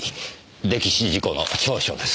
溺死事故の調書です。